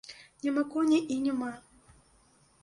Няма коней і няма.